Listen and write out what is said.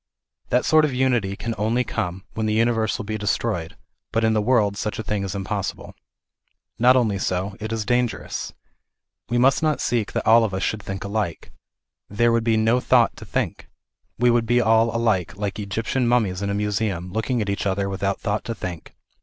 That sort of unity can only come when this uni verse will be destroyed, but in the world such a thing is impossible. Not only so, it is dangerous. We must not seek that all of us should think alike. There would then be no thought to think. We would be all alike, like Egyptian mummies in a museum, looking at each other without thought to think.